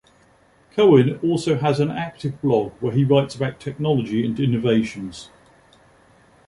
Cohen also has an active blog where he writes about technology and innovations.